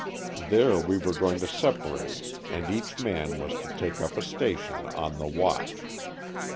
There we were going to separate and each man was to take up a station "on the watch."